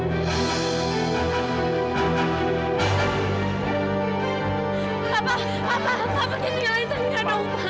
papa jangan tinggalkan saya pak